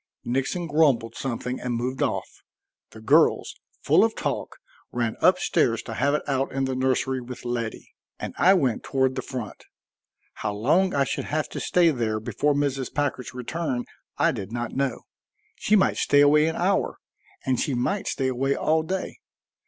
Nixon grumbled something and moved off. The girls, full of talk, ran up stairs to have it out in the nursery with Letty, and I went toward the front. How long I should have to stay there before Mrs. Packard's return I did not know. She might stay away an hour and she might stay away all day.